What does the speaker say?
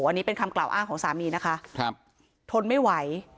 อันนี้เป็นคำกล่าวอ้างของสามีนะคะครับทนไม่ไหว